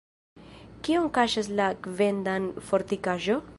Kion kaŝas la Kvendan-fortikaĵo?